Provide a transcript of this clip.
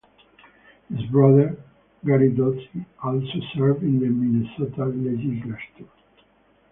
His brother Gary Doty also served in the Minnesota Legislature.